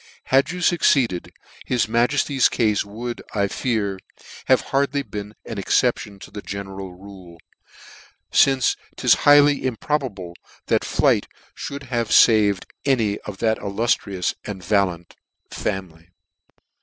Had you fucceeded, his majefty's cafe would, I fear, have hardly been an exception to that general rule, fince 'tis highly improbable that flight mould have faved any of that illuftrious and valiant family.